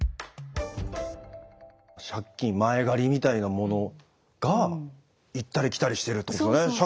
借金前借りみたいなものが行ったり来たりしてるということですよね。